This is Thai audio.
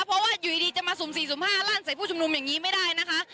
เพราะว่าอยู่ดีจะมาสุ่ม๔สุ่ม๕ลั่นใส่ผู้ชุมนุมอย่างนี้ไม่ได้นะคะ